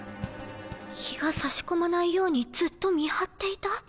日が差し込まないようにずっと見張っていた？